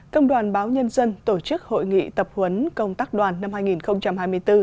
công đoàn báo nhân dân tổ chức hội nghị tập huấn công tác đoàn năm hai nghìn hai mươi bốn